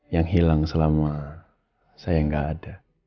yang hilang selama saya nggak ada